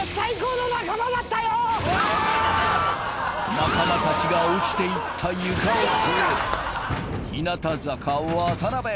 仲間たちが落ちていった床を超え日向坂・渡邉